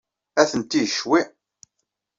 Atenti ccwi.